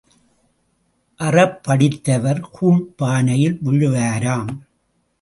அறப்படித்தவர் கூழ்ப் பானையில் விழுவாராம்.